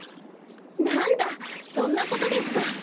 なんだそんなことですか。